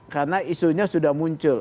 karena isunya sudah muncul